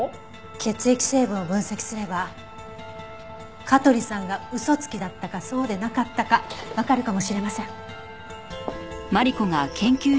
血液成分を分析すれば香取さんが嘘つきだったかそうでなかったかわかるかもしれません。